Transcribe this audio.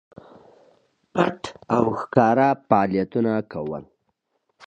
پټ او ښکاره فعالیتونه کول.